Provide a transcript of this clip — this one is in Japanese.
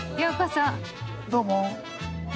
どうも。